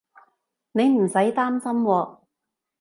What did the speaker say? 你唔使擔心喎